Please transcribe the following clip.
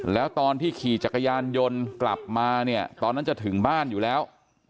แล้วตอนที่ขี่จักรยานยนต์กลับมาเนี่ยตอนนั้นจะถึงบ้านอยู่แล้ว